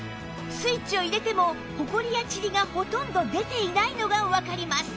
スイッチを入れてもホコリやチリがほとんど出ていないのがわかります